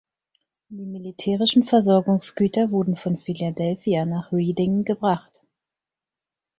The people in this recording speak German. Die militärischen Versorgungsgüter wurden von Philadelphia nach Reading gebracht.